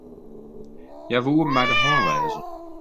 Hja woe my de hân lêze.